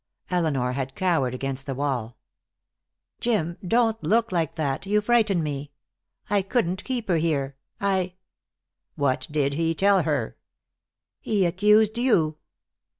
Elinor had cowered against the wall. "Jim, don't look like that. You frighten me. I couldn't keep her here. I " "What did he tell her?" "He accused you."